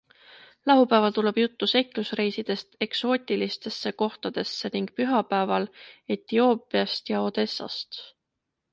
Laupäeval tuleb juttu seiklusreisidest eksootiulistesse kohtadesse ning pühapäeval Etioopiast ja Odessast.